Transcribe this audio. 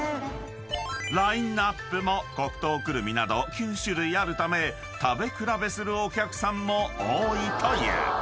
［ラインアップも黒糖くるみなど９種類あるため食べ比べするお客さんも多いという］